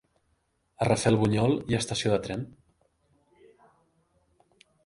A Rafelbunyol hi ha estació de tren?